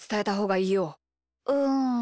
うん。